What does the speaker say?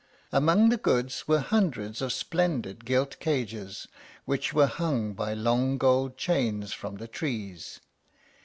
Among the goods were hundreds of splendid gilt cages, which were hung by long gold chains from the trees.